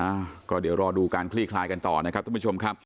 อ่าก็เดี๋ยวรอดูการคลี่คลายกันต่อนะครับท่านผู้ชมครับ